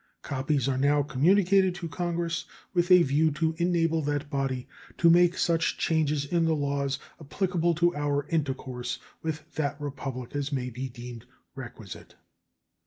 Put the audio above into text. Copies are now communicated to Congress with a view to enable that body to make such changes in the laws applicable to our intercourse with that Republic as may be deemed requisite.